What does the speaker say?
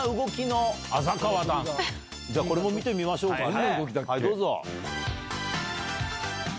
これも見てみましょうかね。